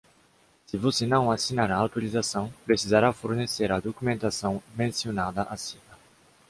Se você não assinar a autorização, precisará fornecer a documentação mencionada acima.